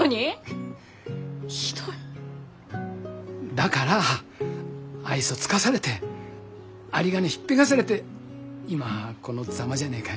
だから愛想尽かされて有り金引っぺがされて今このザマじゃねえかよ。